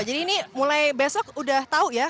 jadi ini mulai besok udah tahu ya